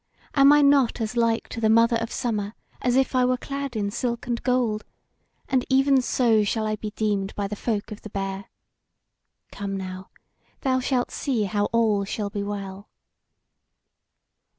am I not as like to the Mother of Summer as if I were clad in silk and gold? and even so shall I be deemed by the folk of the Bear. Come now, thou shalt see how all shall be well."